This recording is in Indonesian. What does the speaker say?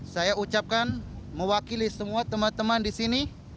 saya ucapkan mewakili semua teman teman di sini